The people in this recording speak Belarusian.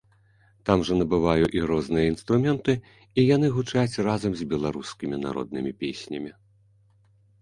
Там жа набываю і розныя інструменты, і яны гучаць разам з беларускімі народнымі песнямі.